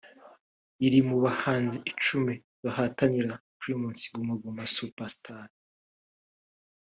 riri mu bahanzi icumi bahatanira Primus Guma Guma Super Star